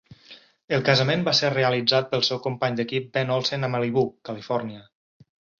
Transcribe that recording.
El casament va ser realitzat pel seu company d'equip Ben Olsen a Malibu, Califòrnia.